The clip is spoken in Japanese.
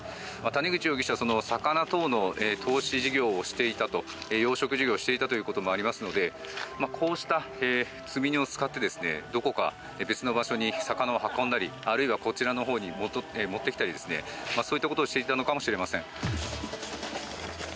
谷口容疑者魚等の投資事業をしていたと養殖事業をしていたということもありますのでこうした積み荷を使ってどこか別の場所に魚を運んだりあるいはこちらのほうに持ってきたりそういったことをしていたのかもしれません。